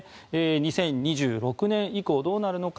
２０２６年以降どうなるのか。